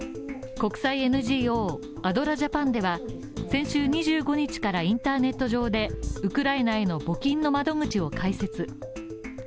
国際ＮＧＯ、アドラ・ジャパンでは先週２５日からインターネット上でウクライナへの募金の窓口を開設。